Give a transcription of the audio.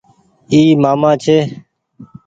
اي مآمآ ڇي ۔